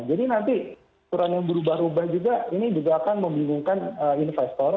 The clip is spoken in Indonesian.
jadi nanti aturan yang berubah ubah juga ini juga akan membingungkan investor